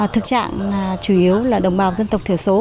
thực trạng chủ yếu là đồng bào dân tộc thiểu số